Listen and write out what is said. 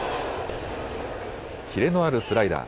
キレのあるスライダー。